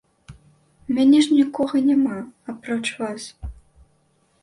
У мяне ж нікога няма, апроч вас.